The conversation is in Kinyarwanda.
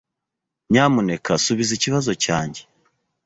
Nyamuneka subiza ikibazo cyanjye.